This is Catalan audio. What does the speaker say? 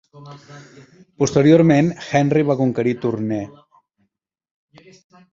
Posteriorment, Henry va conquerir Tournai.